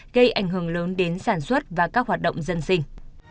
gây ảnh hưởng lớn đến sản xuất và các hoạt động dân sinh